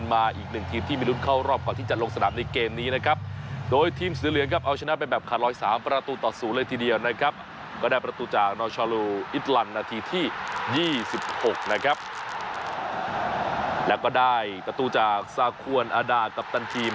ชาลูอิตลันนาทีที่๒๖นะครับแล้วก็ได้ประตูจากซาควรอาดากัปตันทีม